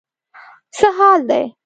څه حال دی.